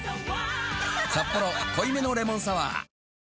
「サッポロ濃いめのレモンサワー」